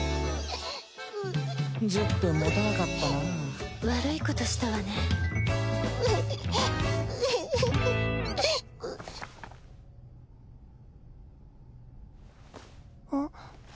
１０分もたなかったな悪いことしたわねうん？